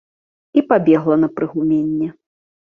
І пабегла на прыгуменне.